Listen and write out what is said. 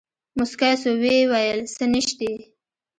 موسکى سو ويې ويل سه نيشتې.